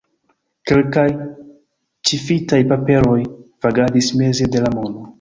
Kelkaj ĉifitaj paperoj vagadis meze de la mono.